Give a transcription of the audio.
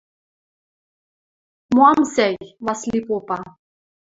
– Моам сӓй, – Васли попа.